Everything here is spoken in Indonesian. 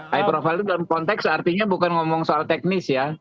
high profile itu dalam konteks artinya bukan ngomong soal teknis ya